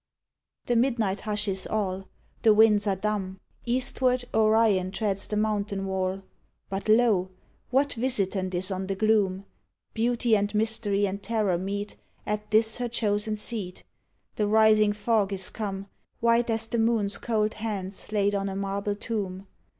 The midnight hushes all; The winds are dumb; Eastward, Orion treads the mountain wall. But lol what visitant is on the gloom*? Beauty and mystery and terror meet At this her chosen seat: The writhing fog is come. White as the moon's cold hands Laid on a marble tomb.